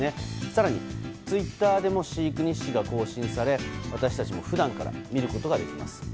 更にツイッターでも飼育日誌が更新され私たちも普段から見ることができます。